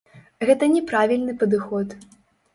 Гэта не правільны падыход.